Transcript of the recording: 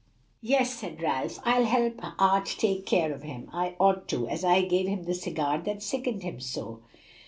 "Yes," said Ralph, "I'll help Art take care of him. I ought to, as I gave him the cigar that sickened him so."